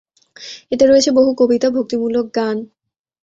এতে রয়েছে বহু কবিতা, ভক্তিমূলক গান।